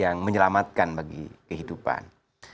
yang menyelamatkan bagi kehidupan